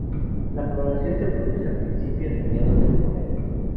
La floración se produce a principios-mediados de primavera.